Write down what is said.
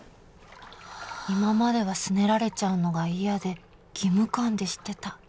今まではすねられちゃうのが嫌で義務感でしてた